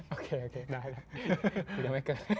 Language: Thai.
โอเคโอเคได้แล้ว